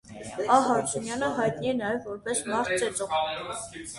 Ա. Հարությունյանը հայտնի է նաև որպես մարդ ծեծող։